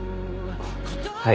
はい。